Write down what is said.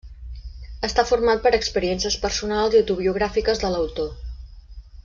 Està format per experiències personals i autobiogràfiques de l’autor.